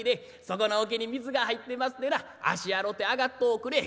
そこのおけに水が入ってますでな足洗て上がっておくれ。